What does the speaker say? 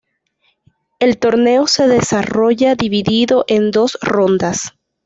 El torneo se desarrolla dividido en dos rondas.